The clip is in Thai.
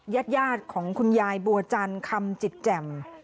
แยดของคุณยายบัวจันคำจิตแจ่ม